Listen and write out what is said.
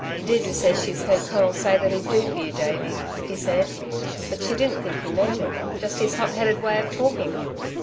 "Deirdre says she's heard Conal say that he'd do for you, Davey," he said, "but she didn't think he meant it. Just his hot headed way of talking!